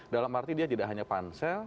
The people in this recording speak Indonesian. dalam arti dia tidak hanya pansel